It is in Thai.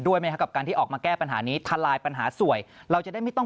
ไหมครับกับการที่ออกมาแก้ปัญหานี้ทลายปัญหาสวยเราจะได้ไม่ต้อง